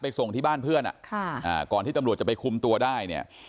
ไปส่งที่บ้านเพื่อนอ่ะค่ะอ่าก่อนที่ตำรวจจะไปคุมตัวได้เนี้ย